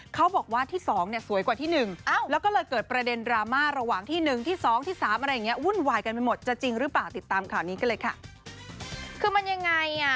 เขาบอกว่าที่สองเนี่ยสวยกว่าที่หนึ่ง